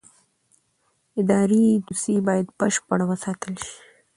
اداري دوسیه باید بشپړه وساتل شي.